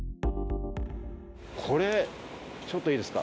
これちょっといいですか？